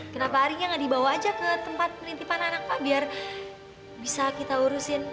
kenapa arinya nggak dibawa aja ke tempat penitipan anak pak biar bisa kita urusin